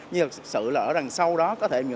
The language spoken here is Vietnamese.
nhưng thực sự là ở đằng sau đó có thể